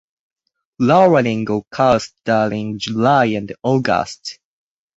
Flowering occurs during July and August.